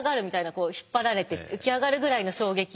こう引っ張られて浮き上がるぐらいの衝撃。